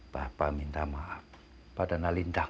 bapak minta maaf pada nalinda